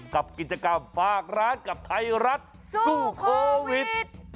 กับกิจกรรมฝากร้านกับไทยรัฐสู้โควิด